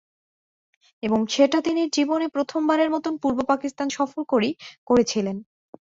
এবং সেটা তিনি জীবনে প্রথমবারের মতো পূর্ব পাকিস্তান সফর করেই করেছিলেন।